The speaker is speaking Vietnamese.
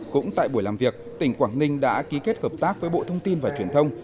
cũng tại buổi làm việc tỉnh quảng ninh đã ký kết hợp tác với bộ thông tin và truyền thông